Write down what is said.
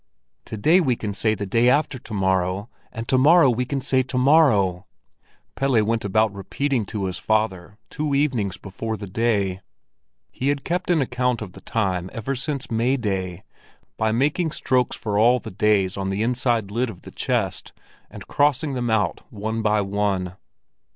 "To day we can say the day after to morrow, and to morrow we can say to morrow," Pelle went about repeating to his father two evenings before the day. He had kept an account of the time ever since May Day, by making strokes for all the days on the inside of the lid of the chest, and crossing them out one by one.